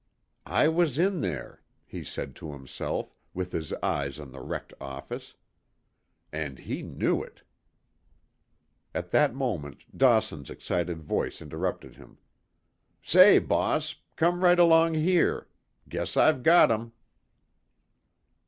"I was in there," he said to himself, with his eyes on the wrecked office, "and he knew it." At that moment Dawson's excited voice interrupted him. "Say, boss, come right along here. Guess I've got him."